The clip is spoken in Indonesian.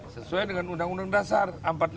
sesuai dengan undang undang dasar empat puluh lima